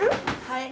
はい。